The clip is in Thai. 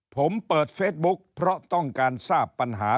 ผมเปิดเฟซบุ๊คเพราะต้องการทราบปัญหา